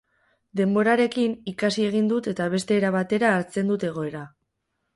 Denborarekin, ikasi egin dut eta beste era batera hartzen dut egoera.